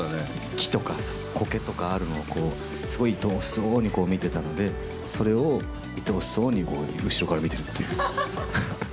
木とか、こけとかあるのをこう、すごいいとおしそうに見てたので、それをいとおしそうに、後ろから見てるっていう。